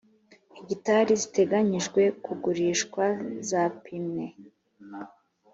hegitari ziteganyijwe kugurishwa zapimwe